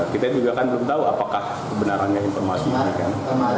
kita juga kan belum tahu apakah kebenarannya informasi ini kan